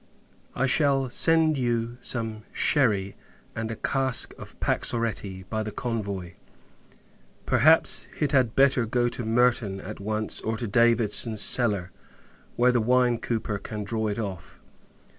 I shall send you some sherry, and a cask of paxoretti, by the convoy. Perhaps, it had better go to Merton, at once; or, to Davison's cellar, where the wine cooper can draw it off.